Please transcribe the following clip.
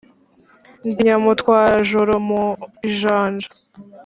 Ndi Nyamutwarajoro mu ijanja,